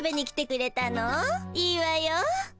いいわよ。